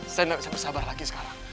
saya tidak bisa bersabar lagi sekarang